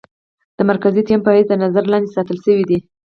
د مرکزي تهيم په حېث د نظر لاندې ساتلے شوې ده.